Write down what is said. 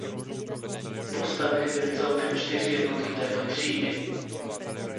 Postaveny byly celkem čtyři jednotky této třídy.